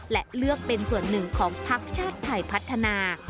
และเลือกเป็นส่วนหนึ่งของพักชาติไทยพัฒนา